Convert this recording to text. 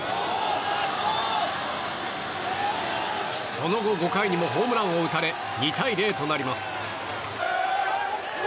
その後５回にもホームランを打たれ２対０となります。